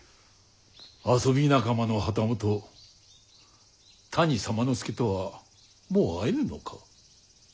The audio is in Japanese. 遊び仲間の旗本谷左馬之助とはもう会えぬのか？